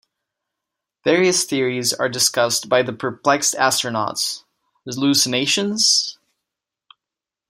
Various theories are discussed by the perplexed astronauts: hallucinations?